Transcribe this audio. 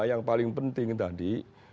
yang paling penting tadi